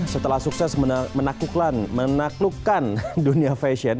setelah sukses menaklukkan dunia fashion